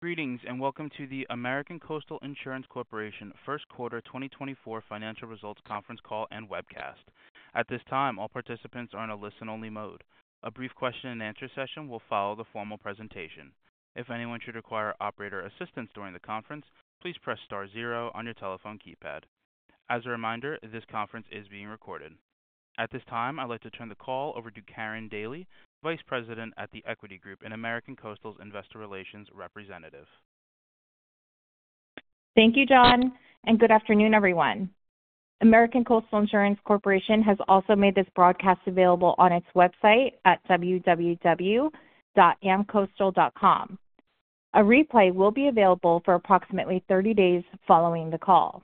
Greetings and welcome to the American Coastal Insurance Corporation First Quarter 2024 Financial Results Conference Call and Webcast. At this time, all participants are in a listen-only mode. A brief question-and-answer session will follow the formal presentation. If anyone should require operator assistance during the conference, please press star zero on your telephone keypad. As a reminder, this conference is being recorded. At this time, I'd like to turn the call over to Karin Daly, Vice President at The Equity Group and American Coastal's Investor Relations Representative. Thank you, John, and good afternoon, everyone. American Coastal Insurance Corporation has also made this broadcast available on its website at www.amcoastal.com. A replay will be available for approximately 30 days following the call.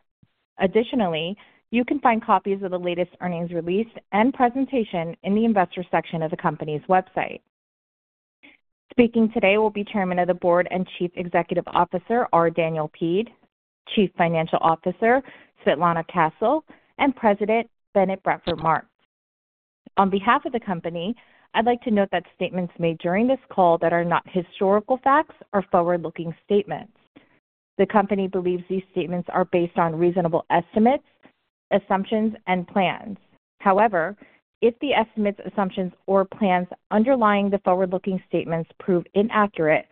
Additionally, you can find copies of the latest earnings released and presentation in the investor section of the company's website. Speaking today will be Chairman of the Board and Chief Executive Officer R. Daniel Peed, Chief Financial Officer Svetlana Castle, and President Bennett Bradford Martz. On behalf of the company, I'd like to note that statements made during this call that are not historical facts are forward-looking statements. The company believes these statements are based on reasonable estimates, assumptions, and plans. However, if the estimates, assumptions, or plans underlying the forward-looking statements prove inaccurate,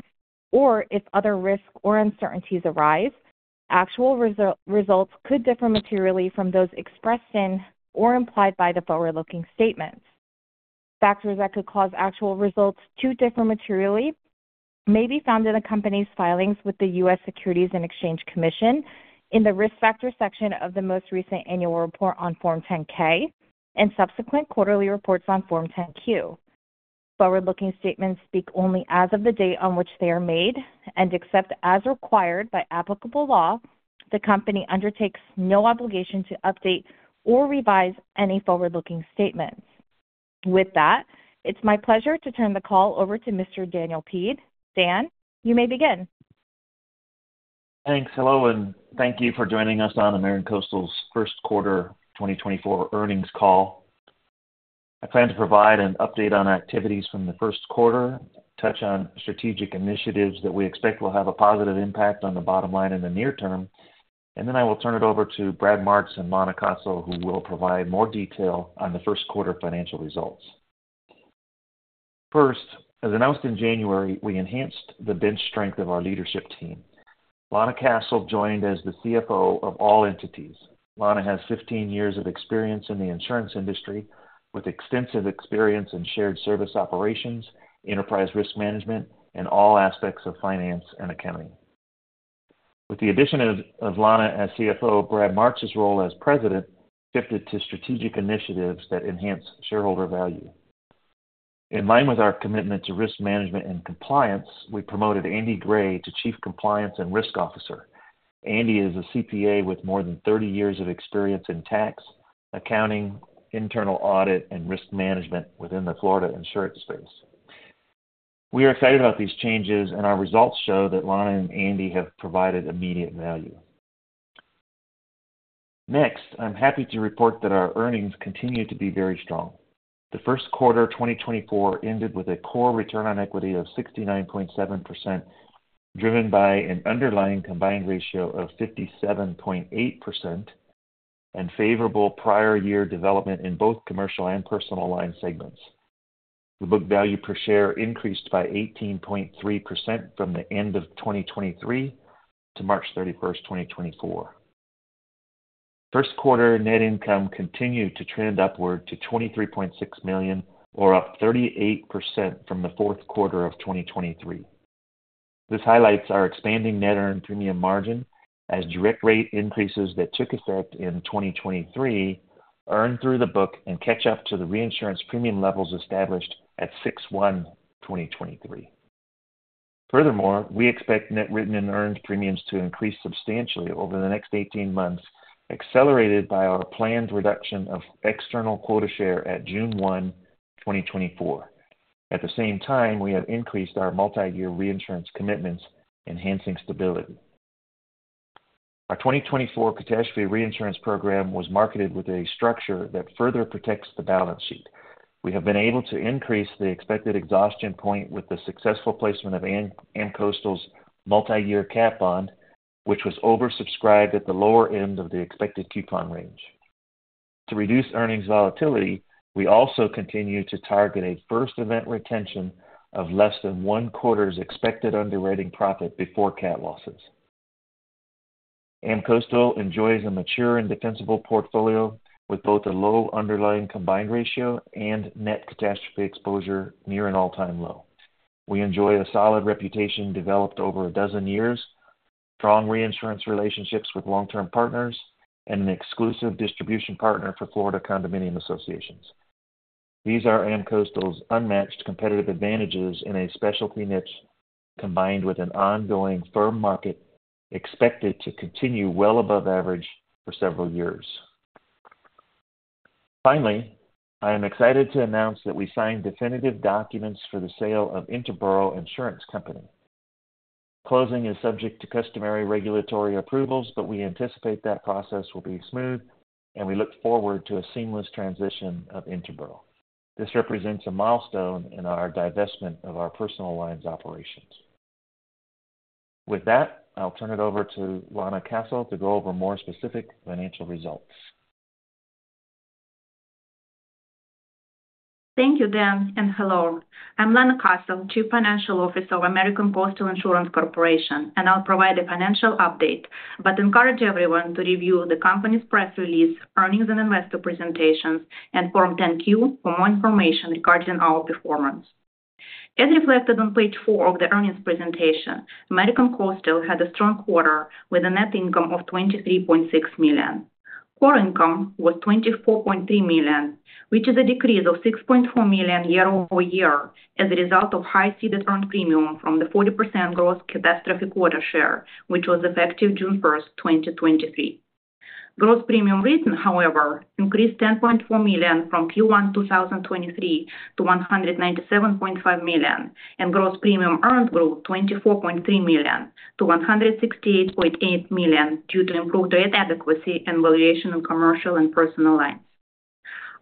or if other risks or uncertainties arise, actual results could differ materially from those expressed in or implied by the forward-looking statements. Factors that could cause actual results to differ materially may be found in the company's filings with the U.S. Securities and Exchange Commission in the Risk Factors section of the most recent annual report on Form 10-K and subsequent quarterly reports on Form 10-Q. Forward-looking statements speak only as of the date on which they are made, and except as required by applicable law, the company undertakes no obligation to update or revise any forward-looking statements. With that, it's my pleasure to turn the call over to Mr. Daniel Peed. Dan, you may begin. Thanks. Hello, and thank you for joining us on American Coastal's First Quarter 2024 earnings call. I plan to provide an update on activities from the first quarter, touch on strategic initiatives that we expect will have a positive impact on the bottom line in the near term, and then I will turn it over to Brad Martz and Lana Castle who will provide more detail on the first quarter financial results. First, as announced in January, we enhanced the bench strength of our leadership team. Lana Castle joined as the CFO of all entities. Lana has 15 years of experience in the insurance industry with extensive experience in shared service operations, enterprise risk management, and all aspects of finance and accounting. With the addition of Lana as CFO, Brad Martz's role as president shifted to strategic initiatives that enhance shareholder value. In line with our commitment to risk management and compliance, we promoted Andy Gray to Chief Compliance and Risk Officer. Andy is a CPA with more than 30 years of experience in tax, accounting, internal audit, and risk management within the Florida insurance space. We are excited about these changes, and our results show that Lana and Andy have provided immediate value. Next, I'm happy to report that our earnings continue to be very strong. The first quarter 2024 ended with a core return on equity of 69.7% driven by an underlying combined ratio of 57.8% and favorable prior-year development in both commercial and personal line segments. The book value per share increased by 18.3% from the end of 2023 to March 31st, 2024. First quarter net income continued to trend upward to $23.6 million, or up 38% from the fourth quarter of 2023. This highlights our expanding net earned premium margin as direct rate increases that took effect in 2023 earn through the book and catch up to the reinsurance premium levels established at 6/1/2023. Furthermore, we expect net written and earned premiums to increase substantially over the next 18 months, accelerated by our planned reduction of external quota share at June 1, 2024. At the same time, we have increased our multi-year reinsurance commitments, enhancing stability. Our 2024 catastrophe reinsurance program was marketed with a structure that further protects the balance sheet. We have been able to increase the expected exhaustion point with the successful placement of AmCoastal's multi-year cat bond, which was oversubscribed at the lower end of the expected coupon range. To reduce earnings volatility, we also continue to target a first event retention of less than one quarter's expected underwriting profit before cat losses. AmCoastal enjoys a mature and defensible portfolio with both a low underlying combined ratio and net catastrophe exposure near an all-time low. We enjoy a solid reputation developed over a dozen years, strong reinsurance relationships with long-term partners, and an exclusive distribution partner for Florida Condominium Associations. These are AmCoastal's unmatched competitive advantages in a specialty niche combined with an ongoing firm market expected to continue well above average for several years. Finally, I am excited to announce that we signed definitive documents for the sale of Interboro Insurance Company. Closing is subject to customary regulatory approvals, but we anticipate that process will be smooth, and we look forward to a seamless transition of Interboro. This represents a milestone in our divestment of our personal lines operations. With that, I'll turn it over to Lana Castle to go over more specific financial results. Thank you, Dan, and hello. I'm Lana Castle, Chief Financial Officer of American Coastal Insurance Corporation, and I'll provide a financial update, but encourage everyone to review the company's press release, earnings and investor presentations, and Form 10-Q for more information regarding our performance. As reflected on page four of the earnings presentation, American Coastal had a strong quarter with a net income of $23.6 million. Core income was $24.3 million, which is a decrease of $6.4 million year-over-year as a result of high ceded earned premium from the 40% gross catastrophe quota share, which was effective June 1st, 2023. Gross premium written, however, increased $10.4 million from Q1 2023 to $197.5 million, and gross premium earned grew $24.3 million to $168.8 million due to improved rate adequacy and valuation in commercial and personal lines.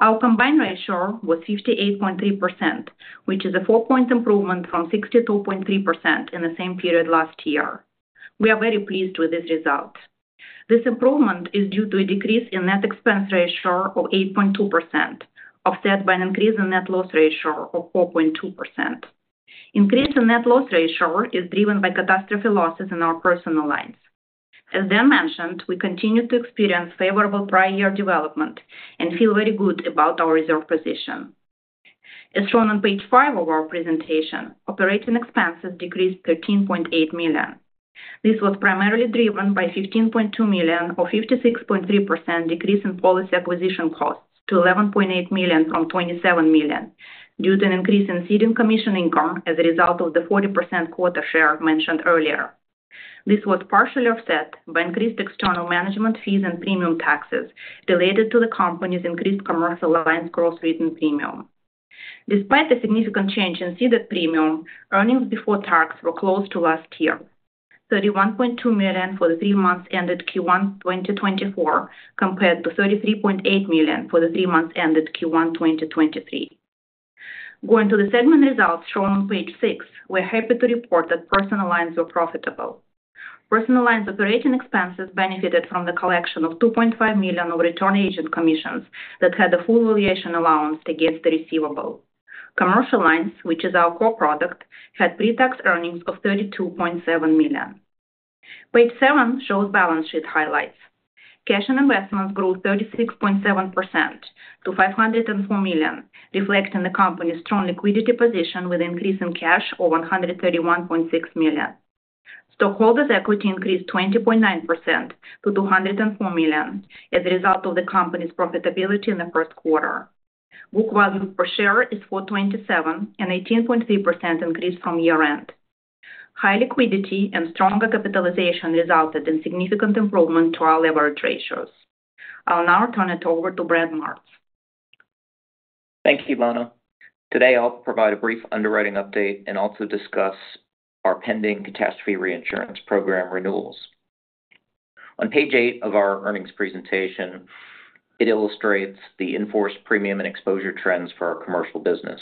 Our combined ratio was 58.3%, which is a four-point improvement from 62.3% in the same period last year. We are very pleased with this result. This improvement is due to a decrease in net expense ratio of 8.2% offset by an increase in net loss ratio of 4.2%. Increase in net loss ratio is driven by catastrophe losses in our personal lines. As Dan mentioned, we continue to experience favorable prior-year development and feel very good about our reserve position. As shown on page five of our presentation, operating expenses decreased $13.8 million. This was primarily driven by $15.2 million or 56.3% decrease in policy acquisition costs to $11.8 million from $27 million due to an increase in ceding commission income as a result of the 40% quota share mentioned earlier. This was partially offset by increased external management fees and premium taxes related to the company's increased commercial lines gross written premium. Despite the significant change in ceded premium, earnings before tax were close to last year, $31.2 million for the three months ended Q1 2024 compared to $33.8 million for the three months ended Q1 2023. Going to the segment results shown on page six, we are happy to report that personal lines were profitable. Personal lines operating expenses benefited from the collection of $2.5 million of return agent commissions that had a full valuation allowance against the receivable. Commercial lines, which is our core product, had pre-tax earnings of $32.7 million. Page seven shows balance sheet highlights. Cash and investments grew 36.7% to $504 million, reflecting the company's strong liquidity position with an increase in cash of $131.6 million. Stockholders' equity increased 20.9% to $204 million as a result of the company's profitability in the first quarter. Book value per share is $4.27, an 18.3% increase from year-end. High liquidity and stronger capitalization resulted in significant improvement to our leverage ratios. I'll now turn it over to Brad Martz. Thank you, Lana. Today, I'll provide a brief underwriting update and also discuss our pending catastrophe reinsurance program renewals. On page eight of our earnings presentation, it illustrates the in-force premium and exposure trends for our commercial business.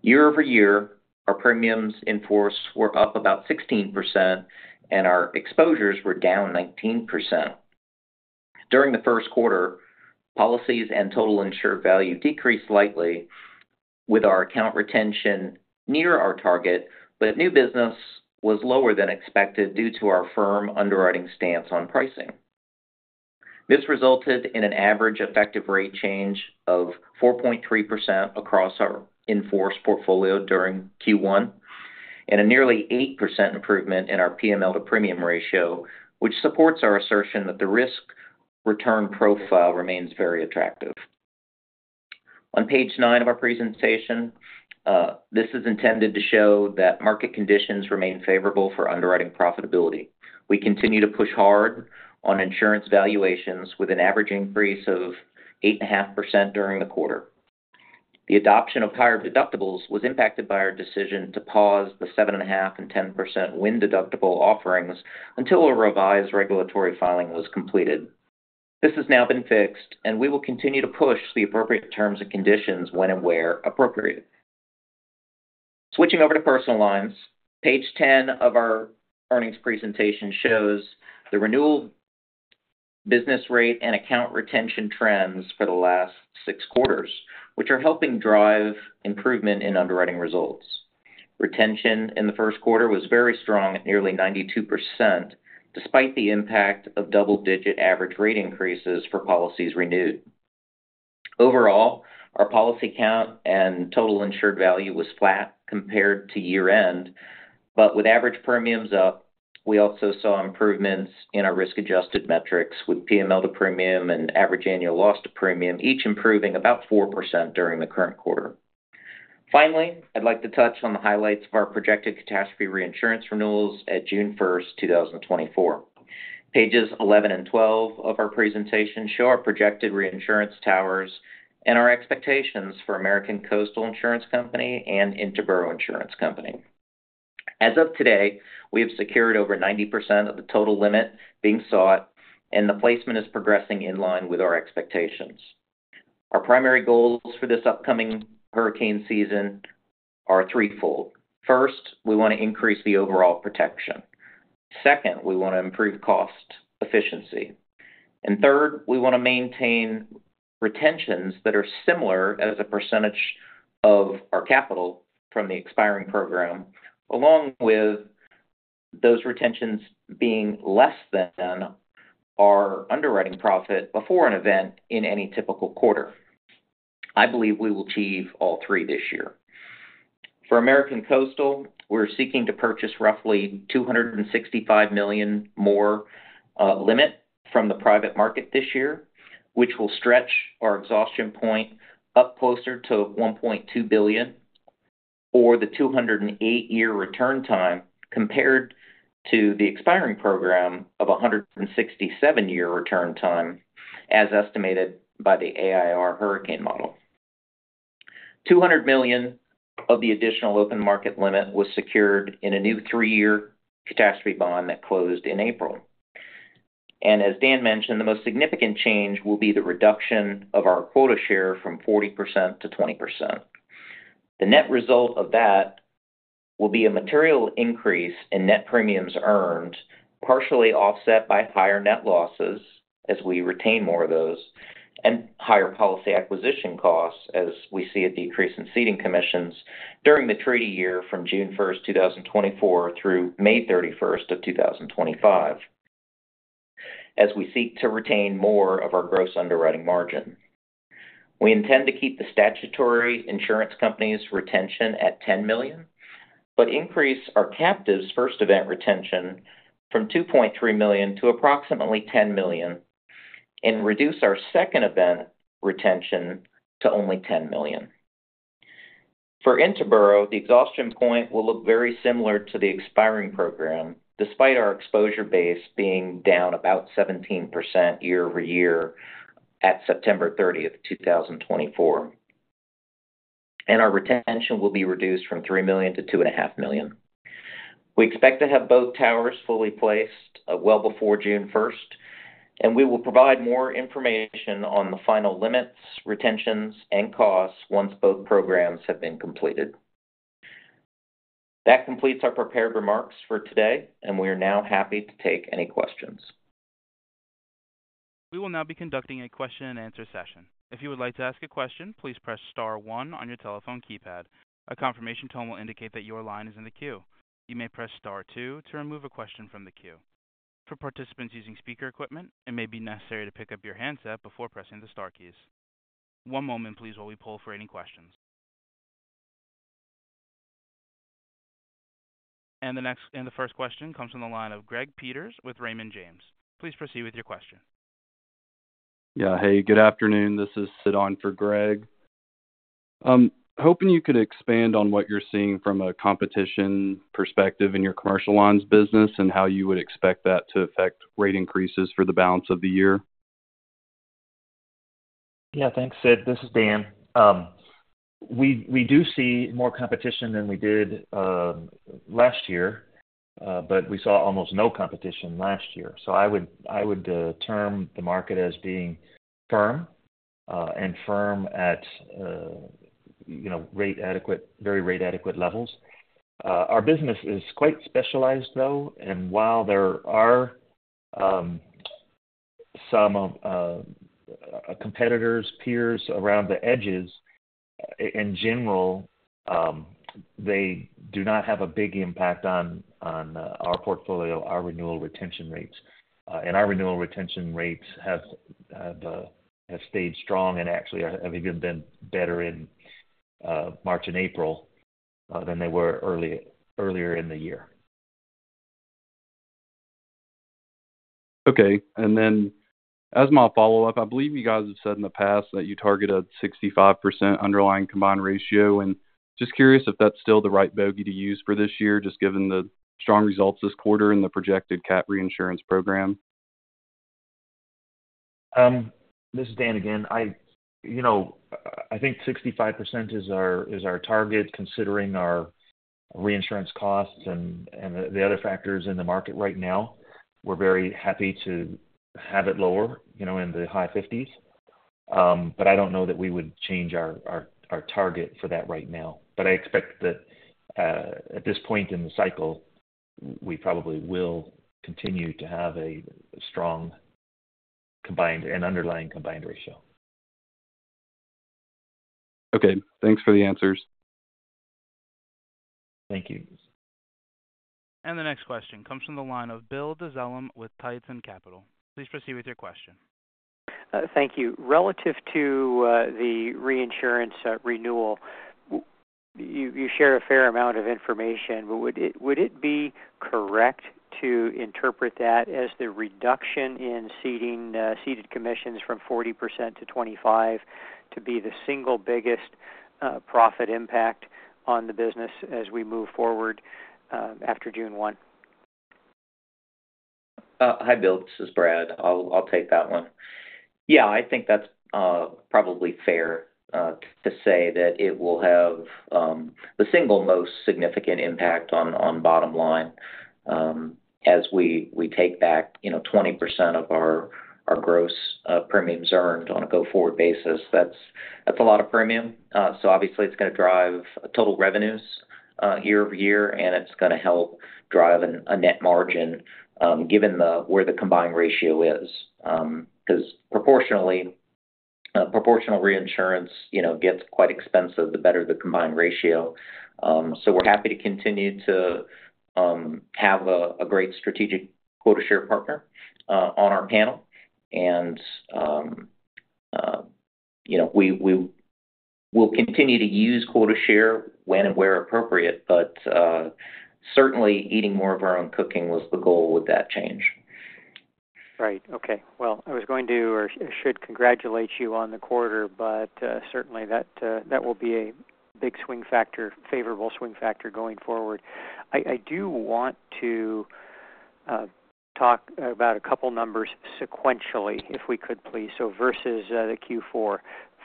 Year-over-year, our premiums in-force were up about 16%, and our exposures were down 19%. During the first quarter, policies and total insured value decreased slightly, with our account retention near our target, but new business was lower than expected due to our firm underwriting stance on pricing. This resulted in an average effective rate change of 4.3% across our in-force portfolio during Q1 and a nearly 8% improvement in our PML to premium ratio, which supports our assertion that the risk return profile remains very attractive. On page nine of our presentation, this is intended to show that market conditions remain favorable for underwriting profitability. We continue to push hard on insurance valuations with an average increase of 8.5% during the quarter. The adoption of higher deductibles was impacted by our decision to pause the 7.5% and 10% wind deductible offerings until a revised regulatory filing was completed. This has now been fixed, and we will continue to push the appropriate terms and conditions when and where appropriate. Switching over to personal lines, page 10 of our earnings presentation shows the renewal business rate and account retention trends for the last six quarters, which are helping drive improvement in underwriting results. Retention in the first quarter was very strong at nearly 92% despite the impact of double-digit average rate increases for policies renewed. Overall, our policy count and total insured value was flat compared to year-end, but with average premiums up, we also saw improvements in our risk-adjusted metrics with PML to premium and average annual loss to premium, each improving about 4% during the current quarter. Finally, I'd like to touch on the highlights of our projected catastrophe reinsurance renewals at June 1st, 2024. Pages 11 and 12 of our presentation show our projected reinsurance towers and our expectations for American Coastal Insurance Company and Interboro Insurance Company. As of today, we have secured over 90% of the total limit being sought, and the placement is progressing in line with our expectations. Our primary goals for this upcoming hurricane season are threefold. First, we want to increase the overall protection. Second, we want to improve cost efficiency. And third, we want to maintain retentions that are similar as a percentage of our capital from the expiring program, along with those retentions being less than our underwriting profit before an event in any typical quarter. I believe we will achieve all three this year. For American Coastal, we're seeking to purchase roughly $265 million more limit from the private market this year, which will stretch our exhaustion point up closer to $1.2 billion or the 208-year return time compared to the expiring program of 167-year return time as estimated by the AIR hurricane model. $200 million of the additional open market limit was secured in a new three-year catastrophe bond that closed in April. And as Dan mentioned, the most significant change will be the reduction of our quota share from 40%-20%. The net result of that will be a material increase in net premiums earned, partially offset by higher net losses as we retain more of those and higher policy acquisition costs as we see a decrease in ceding commissions during the treaty year from June 1st, 2024, through May 31st of 2025, as we seek to retain more of our gross underwriting margin. We intend to keep the statutory insurance company's retention at $10 million, but increase our captive's first event retention from $2.3 million to approximately $10 million and reduce our second event retention to only $10 million. For Interboro, the exhaustion point will look very similar to the expiring program, despite our exposure base being down about 17% year-over-year at September 30th, 2024, and our retention will be reduced from $3 million to $2.5 million. We expect to have both towers fully placed well before June 1st, and we will provide more information on the final limits, retentions, and costs once both programs have been completed. That completes our prepared remarks for today, and we are now happy to take any questions. We will now be conducting a question-and-answer session. If you would like to ask a question, please press star one on your telephone keypad. A confirmation tone will indicate that your line is in the queue. You may press star two to remove a question from the queue. For participants using speaker equipment, it may be necessary to pick up your handset before pressing the star keys. One moment, please, while we poll for any questions. The first question comes from the line of Greg Peters with Raymond James. Please proceed with your question. Yeah, hey, good afternoon. This is Sid on for Greg. Hoping you could expand on what you're seeing from a competition perspective in your commercial lines business and how you would expect that to affect rate increases for the balance of the year? Yeah, thanks, Sid. This is Dan. We do see more competition than we did last year, but we saw almost no competition last year. So I would term the market as being firm and firm at very rate-adequate levels. Our business is quite specialized, though, and while there are some competitors, peers around the edges, in general, they do not have a big impact on our portfolio, our renewal retention rates. Our renewal retention rates have stayed strong and actually have even been better in March and April than they were earlier in the year. Okay. And then as my follow-up, I believe you guys have said in the past that you target a 65% underlying combined ratio. And just curious if that's still the right bogey to use for this year, just given the strong results this quarter and the projected cat reinsurance program. This is Dan again. I think 65% is our target considering our reinsurance costs and the other factors in the market right now. We're very happy to have it lower in the high 50s, but I don't know that we would change our target for that right now. But I expect that at this point in the cycle, we probably will continue to have a strong underlying combined ratio. Okay. Thanks for the answers. Thank you. The next question comes from the line of Bill DeZellem with Tieton Capital. Please proceed with your question. Thank you. Relative to the reinsurance renewal, you share a fair amount of information, but would it be correct to interpret that as the reduction in ceding commissions from 40%-25% to be the single biggest profit impact on the business as we move forward after June 1? Hi, Bill. This is Brad. I'll take that one. Yeah, I think that's probably fair to say that it will have the single most significant impact on bottom line. As we take back 20% of our gross premiums earned on a go-forward basis, that's a lot of premium. So obviously, it's going to drive total revenues year-over-year, and it's going to help drive a net margin given where the combined ratio is because proportional reinsurance gets quite expensive the better the combined ratio. So we're happy to continue to have a great strategic quota share partner on our panel. And we will continue to use quota share when and where appropriate, but certainly, eating more of our own cooking was the goal with that change. Right. Okay. Well, I was going to or should congratulate you on the quarter, but certainly, that will be a big swing factor, favorable swing factor going forward. I do want to talk about a couple of numbers sequentially, if we could, please. So versus the Q4,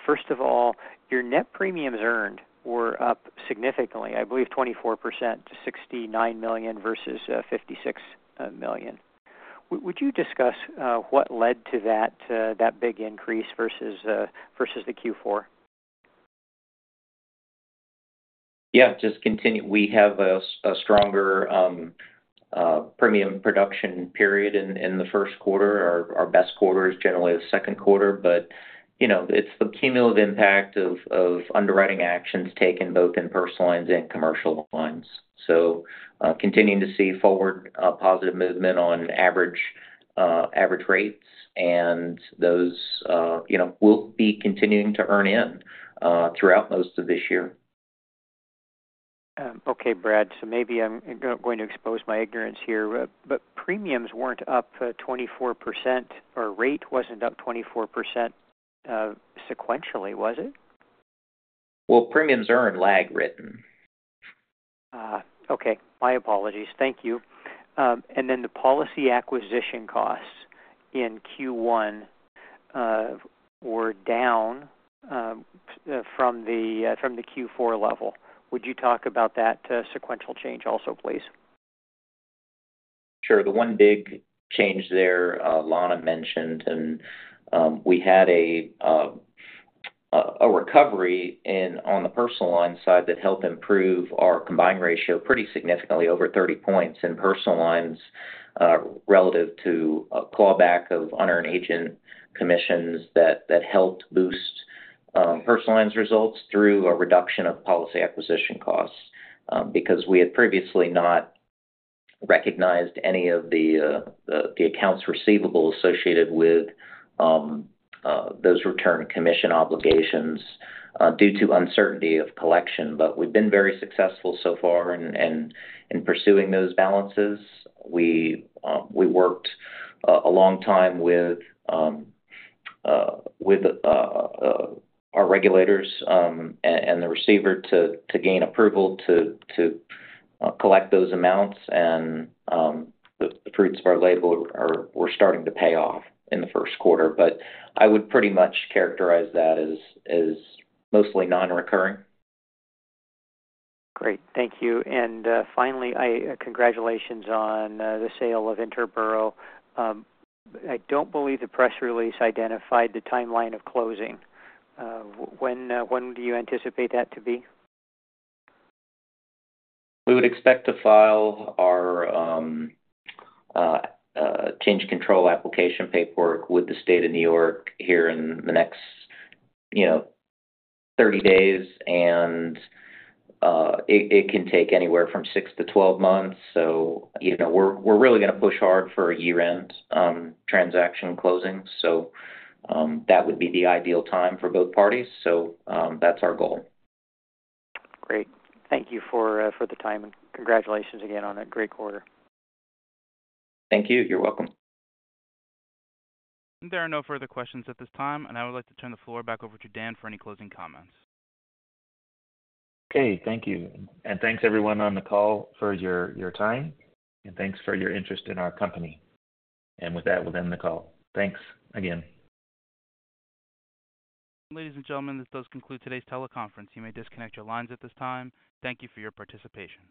first of all, your net premiums earned were up significantly, I believe, 24% to $69 million versus $56 million. Would you discuss what led to that big increase versus the Q4? Yeah, just continue. We have a stronger premium production period in the first quarter. Our best quarter is generally the second quarter, but it's the cumulative impact of underwriting actions taken both in personal lines and commercial lines. So continuing to see forward positive movement on average rates, and those will be continuing to earn in throughout most of this year. Okay, Brad. So maybe I'm going to expose my ignorance here, but premiums weren't up 24% or rate wasn't up 24% sequentially, was it? Well, premiums are in line written. Okay. My apologies. Thank you. And then the policy acquisition costs in Q1 were down from the Q4 level. Would you talk about that sequential change also, please? Sure. The one big change there Lana mentioned, and we had a recovery on the personal line side that helped improve our combined ratio pretty significantly over 30 points in personal lines relative to clawback of unearned agent commissions that helped boost personal lines results through a reduction of policy acquisition costs because we had previously not recognized any of the accounts receivable associated with those return commission obligations due to uncertainty of collection. But we've been very successful so far in pursuing those balances. We worked a long time with our regulators and the receiver to gain approval to collect those amounts, and the fruits of our labor were starting to pay off in the first quarter. But I would pretty much characterize that as mostly non-recurring. Great. Thank you. And finally, congratulations on the sale of Interboro. I don't believe the press release identified the timeline of closing. When do you anticipate that to be? We would expect to file our change control application paperwork with the state of New York here in the next 30 days, and it can take anywhere from six to 12 months. So we're really going to push hard for a year-end transaction closing. So that would be the ideal time for both parties. So that's our goal. Great. Thank you for the time, and congratulations again on a great quarter. Thank you. You're welcome. There are no further questions at this time, and I would like to turn the floor back over to Dan for any closing comments. Okay. Thank you. Thanks, everyone on the call, for your time, and thanks for your interest in our company. With that, we'll end the call. Thanks again. Ladies and gentlemen, this does conclude today's teleconference. You may disconnect your lines at this time. Thank you for your participation.